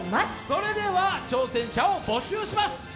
それでは挑戦者を募集します。